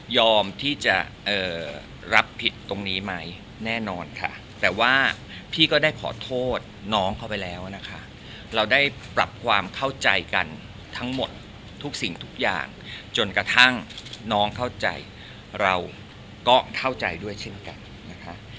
ที่จะรับผิดตรงนี้ไหมแน่นอนค่ะแต่ว่าพี่ก็ได้ขอโทษน้องเขาไปแล้วนะคะเราได้ปรับความเข้าใจกันทั้งหมดทุกสิ่งทุกอย่างจนกระทั่งน้องเข้าใจเราก็เข้าใจด้วยเช่นกันนะคะ